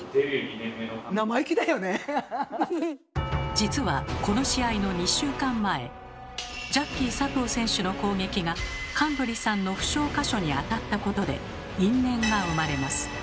実はこの試合の２週間前ジャッキー佐藤選手の攻撃が神取さんの負傷箇所にあたったことで因縁が生まれます。